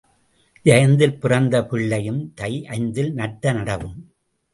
ஐயைந்தில் பிறத்த பிள்ளையும் தை ஐந்தில் நட்ட நடவும்.